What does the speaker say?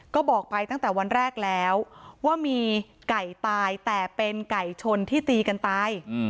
ก็บอกไปตั้งแต่วันแรกแล้วว่ามีไก่ตายแต่เป็นไก่ชนที่ตีกันตาย